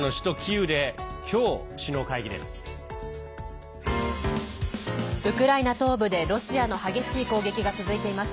ウクライナ東部で、ロシアの激しい攻撃が続いています。